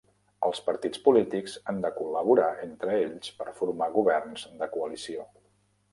Els partits polítics han de col·laborar entre ells per formar governs de coalició.